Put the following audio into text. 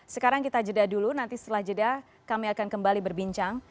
sekarang kita jeda dulu nanti setelah jeda kami akan kembali berbincang